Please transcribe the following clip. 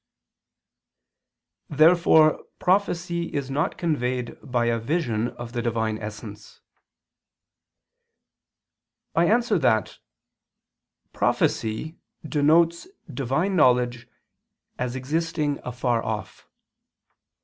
Therefore prophecy is not conveyed by a vision of the Divine essence. I answer that, Prophecy denotes Divine knowledge as existing afar off.